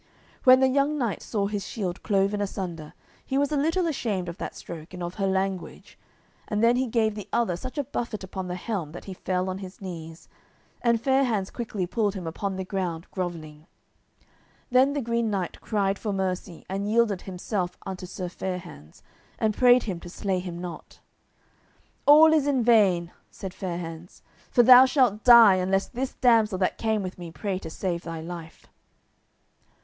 When the young knight saw his shield cloven asunder he was a little ashamed of that stroke and of her language, and then he gave the other such a buffet upon the helm that he fell on his knees, and Fair hands quickly pulled him upon the ground grovelling. Then the Green Knight cried for mercy, and yielded himself unto Sir Fair hands, and prayed him to slay him not. "All is in vain," said Fair hands, "for thou shalt die unless this damsel that came with me pray me to save thy life."